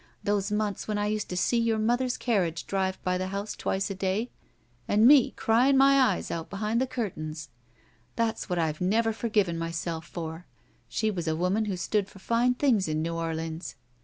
Those months when I used to see your mother's carriage drive by the house twice a day and me crying my eyes out behind the curtains. That's what I've never forgiven myself for. She was a woman who stood for fine things in New Orleans.